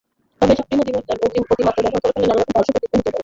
তবে এসব ক্রিম অতিমাত্রায় ব্যবহার করার ফলে নানান পার্শ্বপ্রতিক্রিয়া হতে পারে।